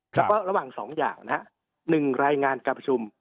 ครับแล้วระหว่างสองอย่างนะฮะหนึ่งรายงานการประชุม